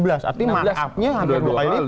artinya markupnya hampir dua kali lipat